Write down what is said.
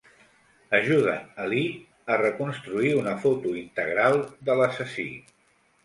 Ajuden a Lee a reconstruir una foto integral de l'assassí.